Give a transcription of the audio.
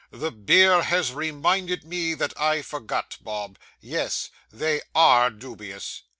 'The beer has reminded me that I forgot, Bob yes; they _are _dubious.